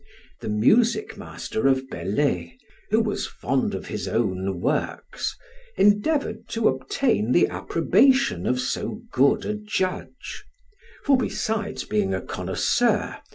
The music master of Bellay (who was fond of his own works) endeavored to obtain the approbation of so good a judge; for besides being a connoisseur, M.